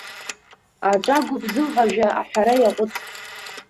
Аҿагәыбзыӷажәа аҳәара иаҟәыҵт.